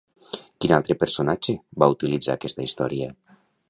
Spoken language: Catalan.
Quin altre personatge va utilitzar aquesta història?